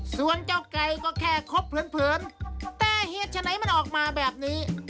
ส่วนเจ้าไก่ก็แค่คบเผินแต่เหตุฉะไหนมันออกมาแบบนี้